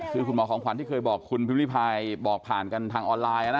คือคุณหมอของขวัญที่เคยบอกคุณพิมริพายบอกผ่านกันทางออนไลน์นะ